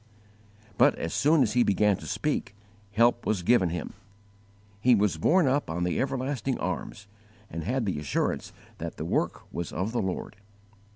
But as soon as he began to speak, help was given him. He was borne up on the Everlasting Arms, and had the assurance that the work was of the Lord.